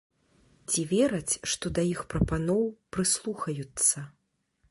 Ці вераць, што да іх прапаноў прыслухаюцца?